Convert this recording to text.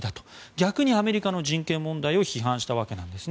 逆にアメリカの人権問題を批判したわけなんです。